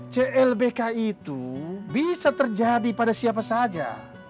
clbk itu bisa terjadi pada siapa saja